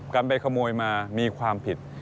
การไปขโมยมามีความผิด